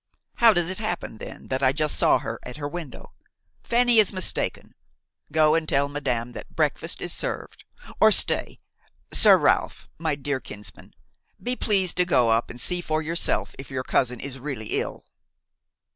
"How does it happen then that I just saw her at her window? Fanny is mistaken. Go and tell madame that breakfast is served; or stay–Sir Ralph, my dear kinsman, be pleased to go up and see for yourself if your cousin is really ill."